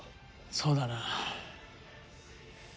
そうだな。